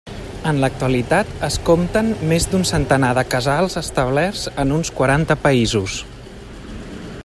En l'actualitat, es compten més d'un centenar de casals establerts en uns quaranta països.